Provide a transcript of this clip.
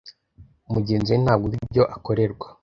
Mugenzi we ntabwo yumva ibyo akorerwa